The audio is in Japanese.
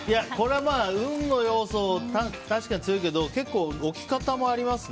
運の要素は確かに強いけど結構、置き方もありますね。